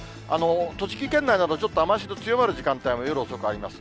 栃木県内など、ちょっと雨足の強まる時間帯も、夜遅くあります。